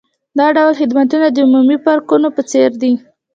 دا ډول خدمتونه د عمومي پارکونو په څیر دي